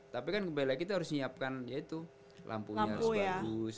tapi kan kembali lagi harus menyiapkan ya itu lampunya harus bagus